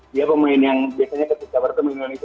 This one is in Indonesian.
dia pemain yang biasanya ketika bertemu di indonesia